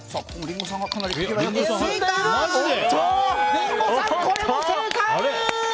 リンゴさん、これも正解！